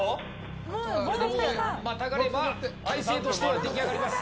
あとはまたがれば体勢としては出来上がります。